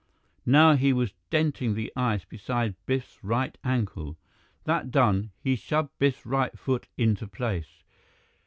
Now he was denting the ice beside Biff's right ankle. That done, he shoved Biff's right foot into place.